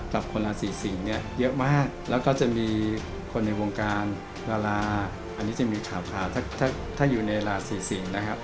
แล้วก็จะมีคนในวงการลาลาอันนี้จะมีขาวภาพถ้าอยู่ในลาดศรีศีลนะครับ